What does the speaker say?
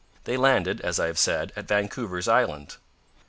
They landed, as I have said, at Vancouver's Island.